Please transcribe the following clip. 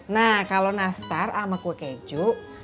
nah kalau nastar sama kue keju enam puluh